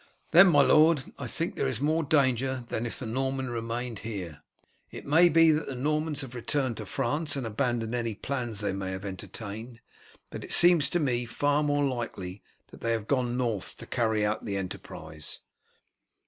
"Then, my lord, I think there is more danger than if the Norman remained here. It may be that the Normans have returned to France and abandoned any plans they may have entertained. But it seems to me far more likely that they have gone north to carry out the enterprise."